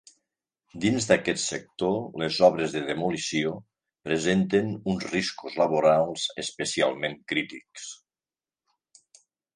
Dins d'aquest sector les obres de demolició presenten uns riscos laborals especialment crítics.